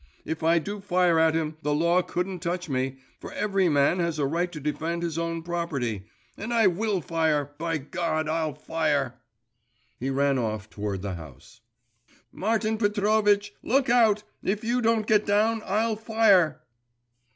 If I do fire at him, the law couldn't touch me, for every man has a right to defend his own property! And I will fire!… By God, I'll fire!' He ran off toward the house. 'Martin Petrovitch, look out! If you don't get down, I'll fire!